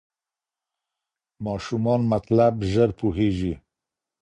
ماشومان مطلب ژر پوهېږي.